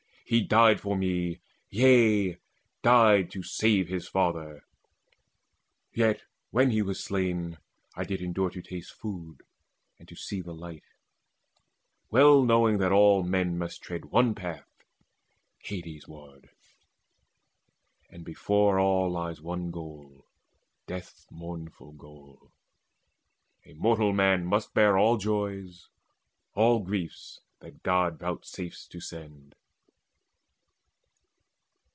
He died for me yea, died to save His father. Yet, when he was slain, did I Endure to taste food, and to see the light, Well knowing that all men must tread one path Hades ward, and before all lies one goal, Death's mournful goal. A mortal man must bear All joys, all griefs, that God vouchsafes to send."